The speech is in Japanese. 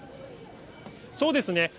そうですね。